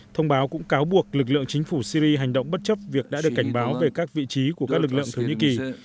thông báo cũng cáo buộc lực lượng chính phủ syri hành động bất chấp việc đã được cảnh báo về các vị trí của các lực lượng thổ nhĩ kỳ